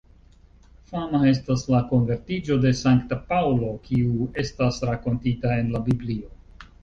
Fama estas la konvertiĝo de Sankta Paŭlo, kiu estas rakontita en la Biblio.